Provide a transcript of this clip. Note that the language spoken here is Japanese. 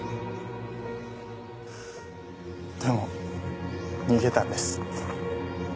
でも逃げたんです。